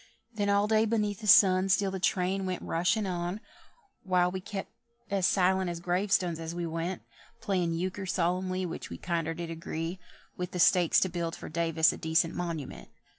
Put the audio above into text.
Then all day beneath the sun Still the train went rushin' on, While we still kep' as silent as grave stones as we went: Playing euchre solemnly, Which we kinder did agree With the stakes to build for Davis a decent monu_ment_.